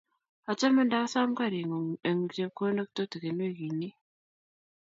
Achome ndasom karit ngung eng chepkondok tutikin wikiit ni.